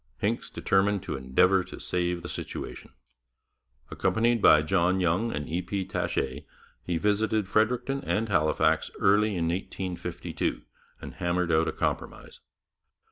Hincks determined to endeavour to save the situation. Accompanied by John Young and E. P. Taché, he visited Fredericton and Halifax early in 1852, and hammered out a compromise.